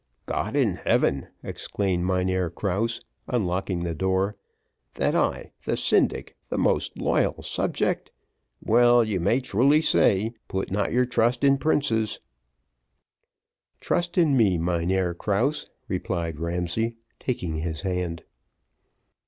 "God in heaven!" exclaimed Mynheer Krause, unlocking the door, "that I, the syndic, the most loyal subject! well, well, you may truly say, 'put not your trust in princes.'" "Trust in me, Mynheer Krause," replied Ramsay, taking his hand.